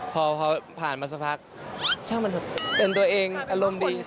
พอผ่านมาสักพักช่างมันเป็นตัวเองอารมณ์ดี